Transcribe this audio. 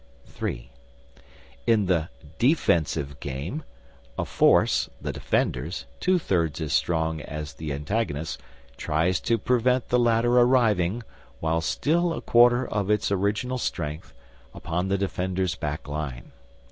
(3) In the Defensive Game, a force, the defenders, two thirds as strong as its antagonist, tries to prevent the latter arriving, while still a quarter of its original strength, upon the defender's back line.